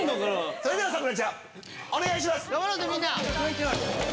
それではさくらちゃんお願いします。